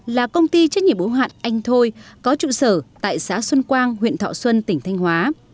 là công ty trách nhiệm ủng hoạn anh thôi có trụ sở tại xã xuân quang huyện thọ xuân tỉnh thanh hóa